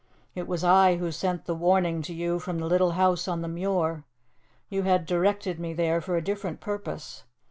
It was I who sent the warning to you from the little house on the Muir. You had directed me there for a different purpose.